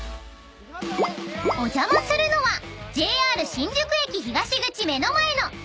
［お邪魔するのはＪＲ新宿駅東口目の前の］